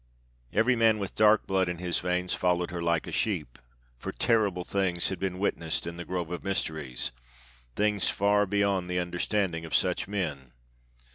Every man with dark blood in his veins followed her like a sheep, for terrible things had been witnessed in the Grove of Mysteries: things far beyond the understanding of such men.